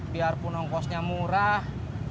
biarpun ongkosnya murah